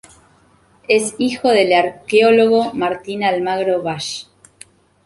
Es hijo del arqueólogo Martín Almagro Basch.